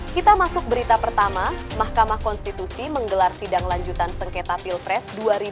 kita masuk berita pertama mahkamah konstitusi menggelar sidang lanjutan sengketa pilpres dua ribu sembilan belas